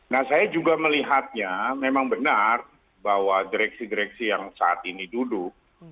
nah saya juga melihatnya memang benar bahwa direksi direksi yang saat ini duduk